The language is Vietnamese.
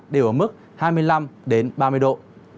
đều ở mức hai mươi năm ba mươi độ